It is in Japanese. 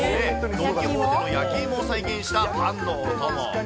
ドン・キホーテが焼き芋を再現したパンのお供。